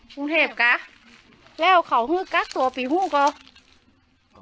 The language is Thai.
ปรุงเทพกะแล้วเขาหื้อกักตัวปีฟูก่อ